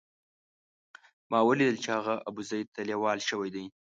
ما ولیدل چې هغه ابوزید ته لېوال شوی دی.